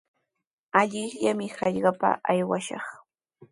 Allaqllami hallqapa aywashaq.